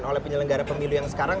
oleh penyelenggara pemilu yang sekarang